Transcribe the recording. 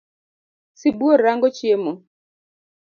Sibuor rango chiemo.